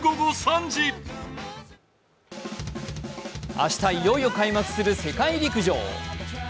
明日いよいよ開幕する世界陸上。